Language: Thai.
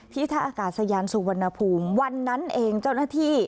ท่าอากาศยานสุวรรณภูมิวันนั้นเองเจ้าหน้าที่